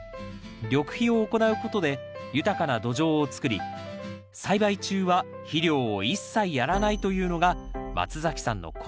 緑肥を行うことで豊かな土壌をつくり栽培中は肥料を一切やらないというのが松崎さんのこだわりなんです。